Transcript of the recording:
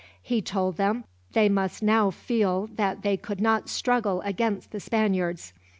He told them they must now feel that they could not struggle against the Spaniards.